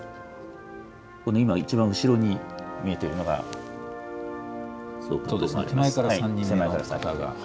この今、一番後ろに見えているのが、手前から３人目の方が。